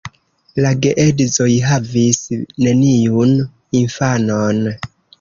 La geedzoj havis neniun infanon.